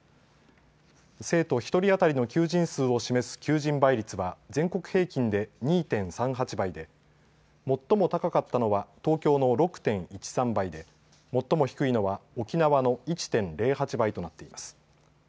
生徒１人当たりの求人数を示す求人倍率は全国平均で２．３８倍で最も高かったのは東京の６．１３倍で最も低いのは沖縄の１．０８倍となっています。